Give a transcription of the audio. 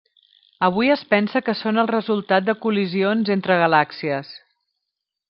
Avui es pensa que són el resultat de col·lisions entre galàxies.